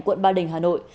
quận ba đình hà nội